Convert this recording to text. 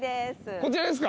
こちらですか。